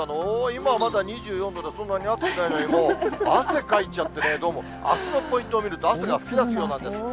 今まだ２４度でそんなに暑くないのに、もう汗かいちゃってね、どうも、あすのポイントを見ると、汗が噴き出すようなんです。